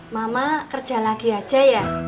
mama kerja lagi aja ya